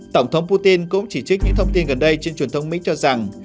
tổng thống putin cũng chỉ trích những thông tin gần đây trên truyền thông mỹ cho rằng